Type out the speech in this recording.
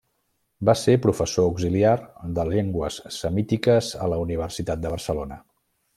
Va ser professor auxiliar de llengües semítiques a la Universitat de Barcelona.